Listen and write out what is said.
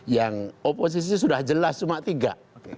yang oposisi sudah jelas cuma tiga